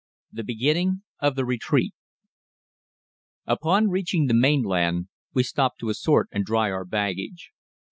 THE BEGINNING OF THE RETREAT Upon reaching the mainland we stopped to assort and dry our baggage.